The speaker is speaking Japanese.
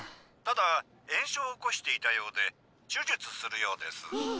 ただ炎症を起こしていたようで手術するようです。